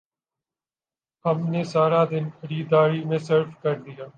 ہم نے سارا دن خریداری میں صرف کر دیا